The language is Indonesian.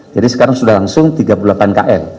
jadi sekarang sudah langsung tiga puluh delapan kl